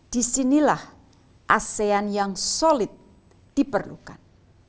disinilah asean yang solid diperlukan